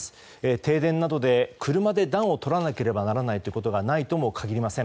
停電などで、車を暖を取らないとならないということがないとも限りません。